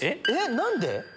何で？